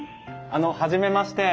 あの初めまして。